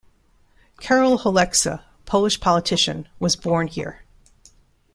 Karol Holeksa, Polish politician, was born here.